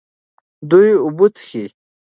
دوی اوبه څښي.